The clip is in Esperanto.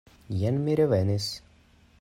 Jen mi revenis!